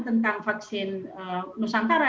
tentang vaksin nusantara